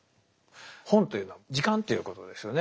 本というのは時間ということですよね